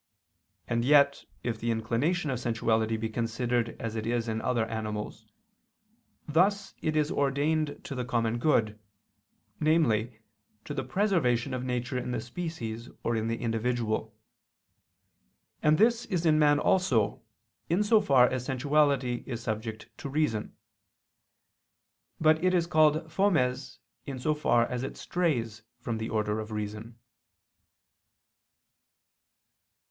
And yet if the inclination of sensuality be considered as it is in other animals, thus it is ordained to the common good, namely, to the preservation of nature in the species or in the individual. And this is in man also, in so far as sensuality is subject to reason. But it is called fomes in so far as it strays from the order of reason.